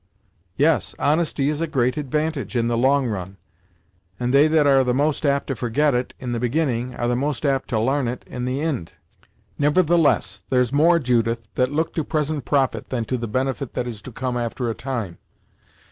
"Yes, honesty is a great advantage, in the long run; and they that are the most apt to forget it in the beginning, are the most apt to l'arn it in the ind. Nevertheless, there's more, Judith, that look to present profit than to the benefit that is to come after a time.